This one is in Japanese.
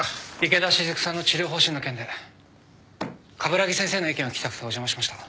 池田しずくさんの治療方針の件で鏑木先生の意見を聞きたくてお邪魔しました。